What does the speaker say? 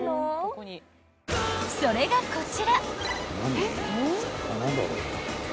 ［それがこちら］